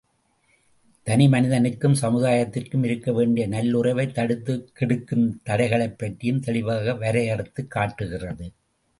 தனி மனிதனுக்கும் சமுதாயத்திற்கும் இருக்க வேண்டிய நல்லுறவைத் தடுத்துக் கெடுக்கும் தடைகளைப் பற்றியும் தெளிவாக வரையறுத்துக் காட்டுகிறது.